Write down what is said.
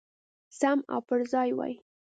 سم او پرځای وای.